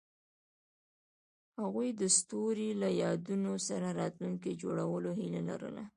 هغوی د ستوري له یادونو سره راتلونکی جوړولو هیله لرله.